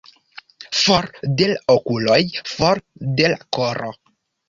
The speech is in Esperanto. For de l' okuloj, for de la koro.